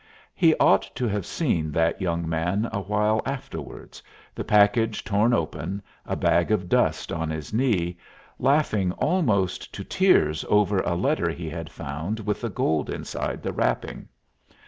He ought to have seen that young man awhile afterwards, the package torn open, a bag of dust on his knee, laughing almost to tears over a letter he had found with the gold inside the wrapping.